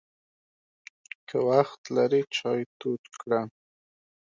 که وخت لرې، چای تود کړه!